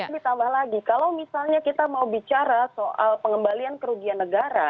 ditambah lagi kalau misalnya kita mau bicara soal pengembalian kerugian negara